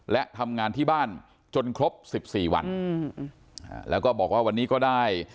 และทำงานที่บ้านจนครบ๑๔วันแล้วก็บอกว่าวันนี้ก็ได้